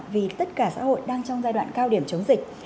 vì tất cả xã hội đang trong giai đoạn cao điểm chống dịch